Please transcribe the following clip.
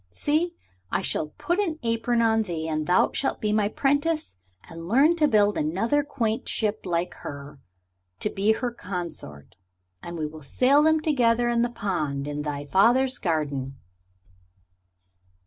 See, I shall put an apron on thee and thou shalt be my 'prentice and learn to build another quaint ship like her to be her consort; and we will sail them together in the pond in thy father's garden."